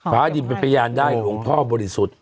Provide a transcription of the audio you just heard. พระอาจารย์เป็นพยานได้หลวงพ่อบริสุทธิ์